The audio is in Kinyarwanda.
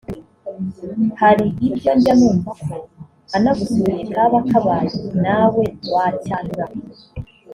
Hari ibyo njya numva ko anagusuriye kaba kabaye nawe wacyandura